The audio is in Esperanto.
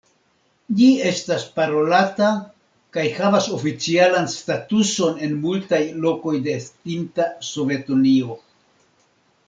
Ĝi estas parolata kaj havas oficialan statuson en multaj lokoj de estinta Sovetunio.